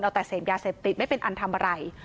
แต่เสพยาเสพติดไม่เป็นอันทำอะไร